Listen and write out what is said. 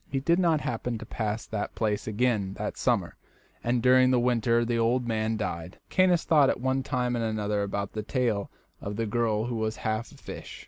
He did not happen to pass that place again that summer, and during the winter the old man died. Caius thought at one time and another about this tale of the girl who was half a fish.